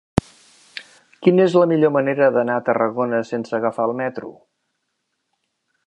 Quina és la millor manera d'anar a Tarragona sense agafar el metro?